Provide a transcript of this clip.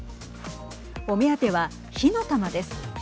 お目当ては火の玉です。